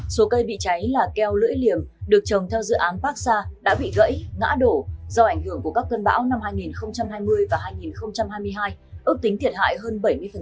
số cây bị cháy là keo lưỡi liềm được trồng theo dự án parksa đã bị gãy ngã đổ do ảnh hưởng của các cơn bão năm hai nghìn hai mươi và hai nghìn hai mươi hai ước tính thiệt hại hơn bảy mươi